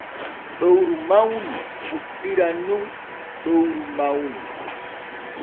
Ɗoyru mawnu fuɗɗiran nun ɗoyru mawnu.